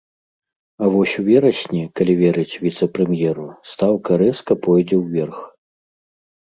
А вось у верасні, калі верыць віцэ-прэм'еру, стаўка рэзка пойдзе ўверх.